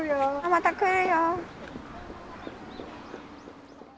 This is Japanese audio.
また来るよ。